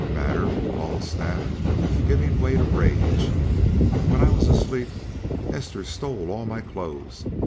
"Matter!" bawled Snap, giving way to rage. "When I was asleep Hester stole all my clothes.